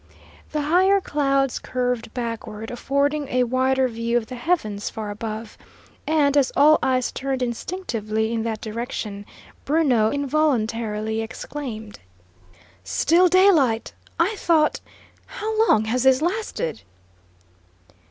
The higher clouds curved backward, affording a wider view of the heavens far above, and, as all eyes turned instinctively in that direction, Bruno involuntarily exclaimed: "Still daylight! I thought how long has this lasted?"